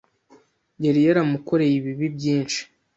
Yari yaramukoreye ibibi byinshi.